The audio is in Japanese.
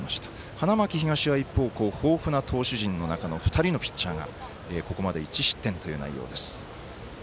花巻東は一方豊富な投手陣の中の２人のピッチャーが、ここまで１失点という内容です。